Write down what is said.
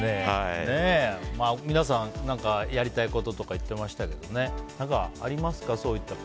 皆さん、やりたいこととか言ってましたけど何かありますか？